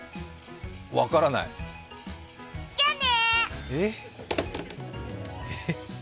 分からないじゃね。